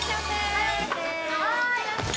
はい！